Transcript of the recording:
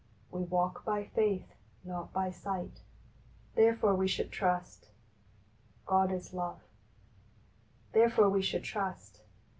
" VVe walk by faith, not by sight, therefore we should trust. "God is love," therefore we should trust.